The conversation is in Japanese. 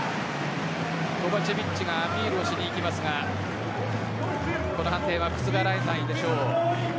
コバチェビッチがアピールをしに行きますがこの判定は覆らないでしょう。